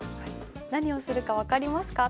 何をするか分かりますか？